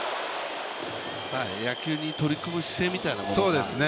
野球に取り組む姿勢というようなものが。